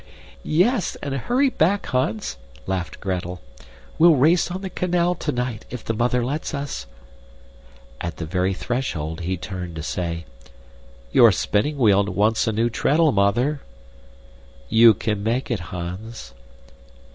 "Yes, and hurry back, Hans!" laughed Gretel. "We'll race on the canal tonight, if the mother lets us." At the very threshold he turned to say, "Your spinning wheel wants a new treadle, Mother." "You can make it, Hans."